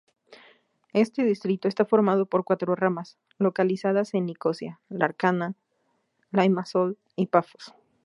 Este distrito está formado por cuatro ramas, localizadas en Nicosia, Lárnaca, Limassol y Pafos.